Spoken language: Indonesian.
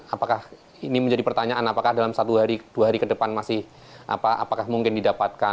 apakah ini menjadi pertanyaan apakah dalam satu hari dua hari ke depan masih apakah mungkin didapatkan